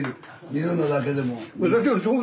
見るのだけでも。